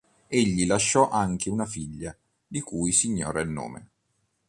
Egli lasciò anche una figlia, di cui si ignora il nome.